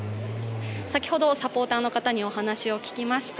先ほどサポーターの方にお話を聞きました。